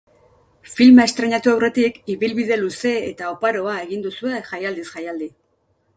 Filma estreinatu aurretik, ibilbide luze eta oparoa egin duzue jaialdiz jaialdi.